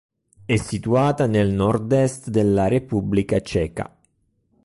È situata nel nord-est della Repubblica Ceca.